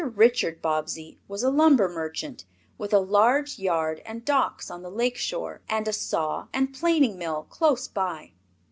Richard Bobbsey was a lumber merchant, with a large yard and docks on the lake shore, and a saw and planing mill close by.